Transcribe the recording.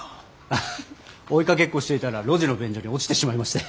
あっ追いかけっこしていたら路地の便所に落ちてしまいまして。